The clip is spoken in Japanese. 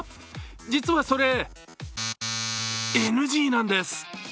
実はそれ、ＮＧなんです。